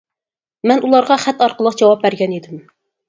مەن ئۇلارغا خەت ئارقىلىق جاۋاب بەرگەن ئىدىم.